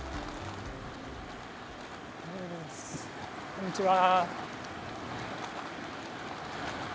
こんにちは！